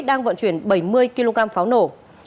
đang vận chuyển bảy mươi kg pháo nổ